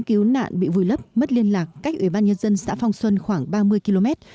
cứu nạn bị vùi lấp mất liên lạc cách ủy ban nhân dân xã phong xuân khoảng ba mươi km